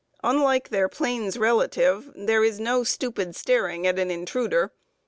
Unlike their plains relative, there is no stupid staring at an intruder.